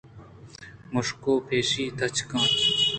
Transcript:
مشک ءُ پشی تچگ ءَ اَنت۔